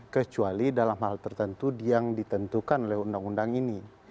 kecuali dalam hal tertentu yang ditentukan oleh undang undang ini